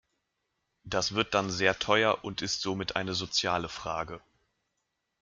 Das wird dann sehr teuer und ist somit eine soziale Frage.